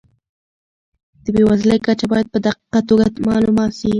د بېوزلۍ کچه باید په دقیقه توګه معلومه سي.